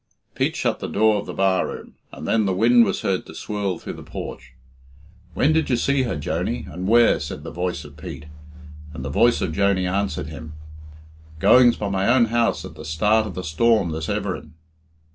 Pete shut the door of the bar room, and then the wind was heard to swirl through the porch. "When did you see her, Joney, and where?" said the voice of Pete; and the voice of Joney answered him "Goings by my own house at the start of the storm this everin."